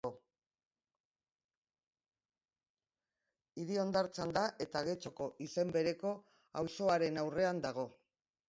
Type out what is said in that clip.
Hiri-hondartza da eta Getxoko izen bereko auzoaren aurrean dago.